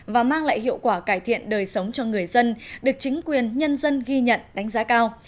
và mang lại hiệu quả cải thiện đời sống cho người dân được chính quyền nhân dân ghi nhận đánh giá cao